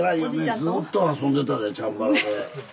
ずっと遊んでたでチャンバラで。